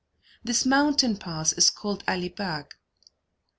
This mountain pass is called Ali Bag.